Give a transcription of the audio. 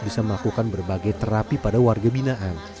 bisa melakukan berbagai terapi pada warga binaan